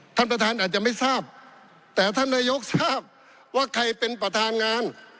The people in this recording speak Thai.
ท่านประธานอาจจะไม่ทราบแต่ท่านนายกทราบว่าใครเป็นประธานงาน